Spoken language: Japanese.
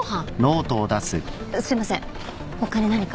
すいません他に何か？